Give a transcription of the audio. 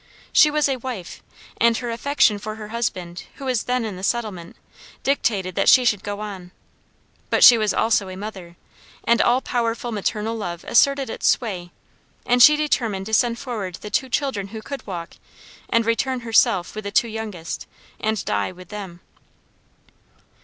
She was a wife, and her affection for her husband, who was then in the settlement, dictated that she should go on; but she was also a mother, and all powerful maternal love asserted its sway, and she determined to send forward the two children who could walk, and return herself with the two youngest, and die with them.